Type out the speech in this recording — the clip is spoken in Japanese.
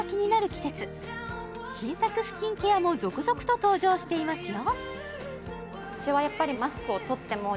季節新作スキンケアも続々と登場していますよ